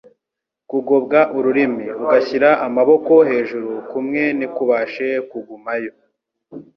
kugobwa ururimi, ugashyira amaboko hejuru kumwe ntikubashe kugumayo.